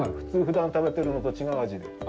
ふだん食べてるのと違う味で。